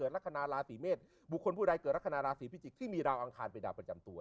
ลักษณะราศีเมษบุคคลผู้ใดเกิดลักษณะราศีพิจิกษ์ที่มีดาวอังคารเป็นดาวประจำตัว